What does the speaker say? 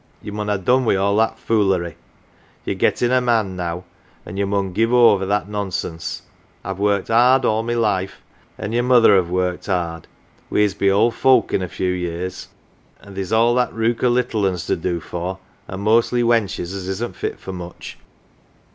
Ye mun ha' done wi' 61 CELEBRITIES all that foolery ye're gettin' a man now, and ye mun give over that nonsense. I've worked 'ard all my life, an" your mother have worked hard we's be old folk in a few years an" 1 theer's all that rook o' little tin's to do for, an 1 mostly wenches as isn't fit for much.